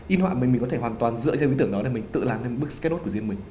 in họa mình có thể hoàn toàn dựa trên ý tưởng đó để mình tự làm một bức sketch note của riêng mình